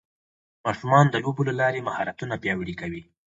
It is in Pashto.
ماشومان د لوبو له لارې مهارتونه پیاوړي کوي